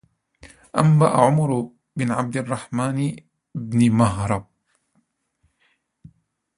أَنْبَأَ عُمَرُ بْنُ عَبْدِ الرَّحْمَنِ بْنِ مَهْرَبٍ